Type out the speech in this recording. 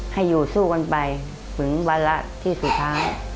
ให้อยู่สู้กันไปถึงวาระที่สุดท้าย